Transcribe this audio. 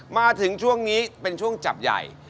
มาถึงช่วงนี้เป็นช่วงจับใหญ่